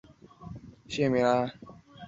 上洋大屋的历史年代为明代。